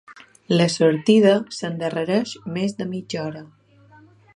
La sortida s'endarrereix més de mitja hora.